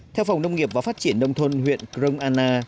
theo phòng nông nghiệp và phát triển đông thôn huyện krong anna